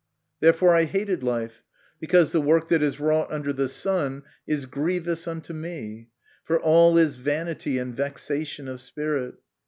" Therefore I hated life ; because the work that is wrought under the sun is grievous unto me : for all is vanity and vexation of spirit.